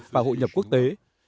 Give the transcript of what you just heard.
và hội nhập quốc tế